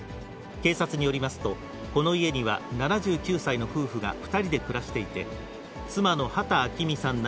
警察によりますと、この家には７９歳の夫婦が２人で暮らしていて、妻の畑昭生さん